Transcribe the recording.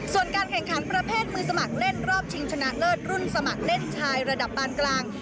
ส่วนการแข่งขันประเภทมือสมัครเล่นรอบชิงชนะเลิศรุ่นสมัครเล่นชายระดับปานกลาง